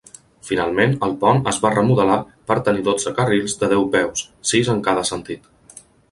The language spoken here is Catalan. Finalment, el pont es va remodelat per tenir dotze carrils de deu peus, sis en cada sentit.